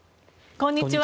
こんにちは。